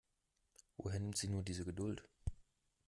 Woher nimmt sie nur diese Geduld?